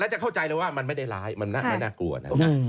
จะเข้าใจเลยว่ามันไม่ได้ร้ายมันน่ากลัวนะ